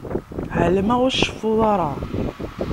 Ԑelmeɣ ur tceffuḍ ara.